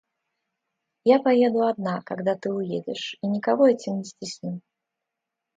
Я поеду одна, когда ты уедешь, и никого этим не стесню.